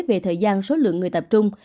về thời gian số lượng người tập trung